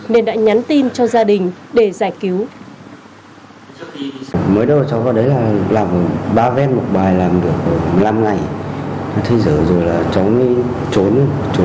nên đã nhắn tin cho gia đình để giải cứu